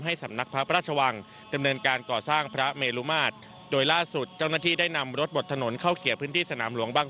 หลังจากนี้จะไม่ให้ประชาชนเดินทางเข้ามาในสนามหลวง